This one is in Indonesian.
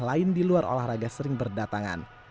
lain di luar olahraga sering berdatangan